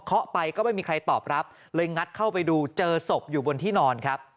เขาไปก็ไม่มีใครตอบรับเลยงัดเข้าไปดูเจอศพอยู่บนที่นอนครับ